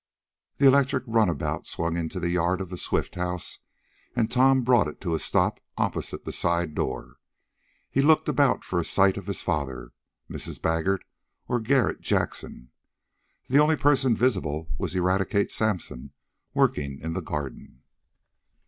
The electric runabout swung into the yard of the Swift house, and Tom brought it to a stop opposite the side door. He looked about for a sight of his father, Mrs. Baggert or Garret Jackson. The only person visible was Eradicate Sampson, working in the garden.